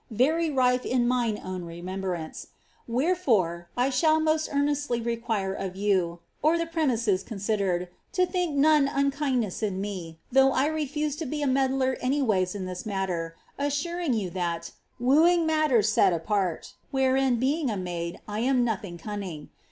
very rife in mine own retnenibrauce. Where fi>re I shall most earnestly require you (the premises considered) to think none ankindness in me. though I refuse to be a medler any ways in this matter, assur ing you that (teooing matten tet apart ^ wherein^ i^^ng a maid^ I am nothing cun ming).